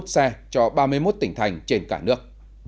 ba mươi một xe cho ba mươi một tỉnh thành trên cả nước